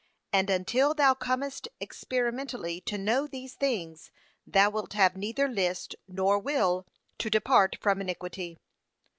And until thou comest experimentally to know these things, thou wilt have neither list, nor will, to depart from iniquity.